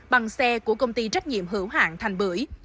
bằng xe của công ty trách nhiệm hữu hạng thành bưởi